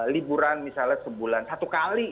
liburan misalnya sebulan satu kali